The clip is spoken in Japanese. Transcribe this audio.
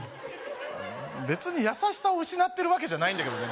別に優しさを失ってるわけじゃないんだけどね